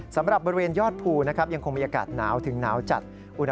สำหรับบริเวณยอดภูนะครับยังคงมีอากาศหนาวถึงหนาวจัด